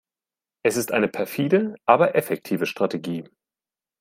Es ist eine perfide, aber effektive Strategie.